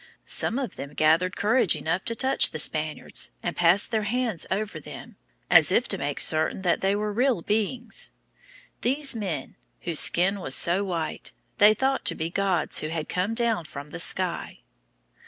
Some of them gathered courage enough to touch the Spaniards and pass their hands over them, as if to make certain that they were real beings. These men, whose skin was so white, they thought to be gods who had come down from the sky.